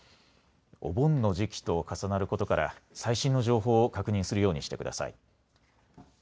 お盆の時期と重なることから最新の情報を確認するようにしてください。